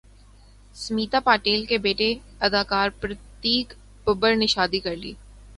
سمیتا پاٹیل کے بیٹے اداکار پرتیک ببر نے شادی کرلی